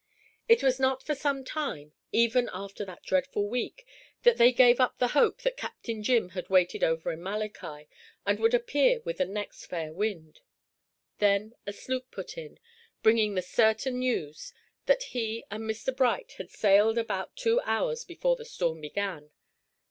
It was not for some time, even after that dreadful week, that they gave up the hope that Captain Jim had waited over in Malachi and would appear with the next fair wind. Then a sloop put in, bringing the certain news that he and Mr. Bright had sailed about two hours before the storm began.